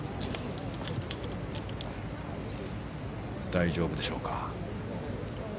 大丈夫でしょうか。